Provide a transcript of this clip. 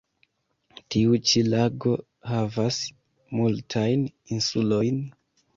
Tiu ĉi lago havas multajn insulojn.